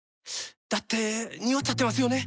だってニオっちゃってますよね。